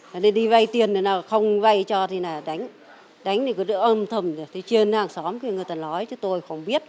nên đi vay tiền nó không vay cho thì đánh đánh thì cứ đỡ âm thầm chơi chê nàng xóm người ta nói chứ tôi không biết